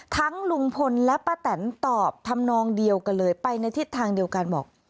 ลุงพลและป้าแตนตอบทำนองเดียวกันเลยไปในทิศทางเดียวกันบอก